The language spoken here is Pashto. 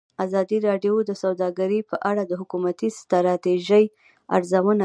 ازادي راډیو د سوداګري په اړه د حکومتي ستراتیژۍ ارزونه کړې.